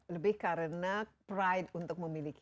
lebih karena pride untuk memiliki